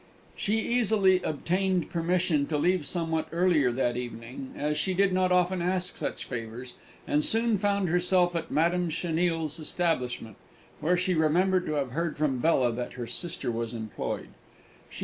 She easily obtained permission to leave somewhat earlier that evening, as she did not often ask such favours, and soon found herself at Madame Chenille's establishment, where she remembered to have heard from Bella that her sister was employed.